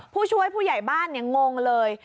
ผู้ช่วยผู้ใหญ่บ้านงงเลย